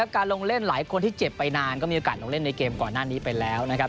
การลงเล่นหลายคนที่เจ็บไปนานก็มีโอกาสลงเล่นในเกมก่อนหน้านี้ไปแล้วนะครับ